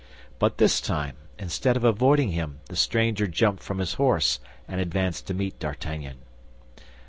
But this time, instead of avoiding him the stranger jumped from his horse, and advanced to meet D'Artagnan.